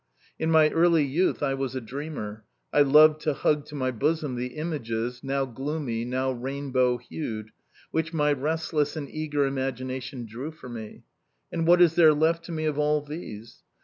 In my early youth I was a dreamer; I loved to hug to my bosom the images now gloomy, now rainbowhued which my restless and eager imagination drew for me. And what is there left to me of all these?